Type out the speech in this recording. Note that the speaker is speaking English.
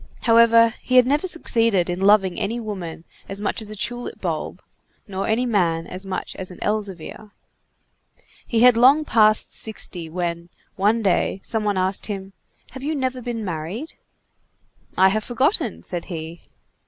However, he had never succeeded in loving any woman as much as a tulip bulb, nor any man as much as an Elzevir. He had long passed sixty, when, one day, some one asked him: "Have you never been married?" "I have forgotten," said he.